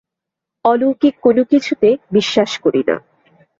অলৌকিক কোনো কিছুতে বিশ্বাস করি না।